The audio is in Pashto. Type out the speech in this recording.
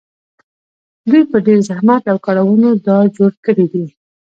دوی په ډېر زحمت او کړاوونو دا جوړ کړي دي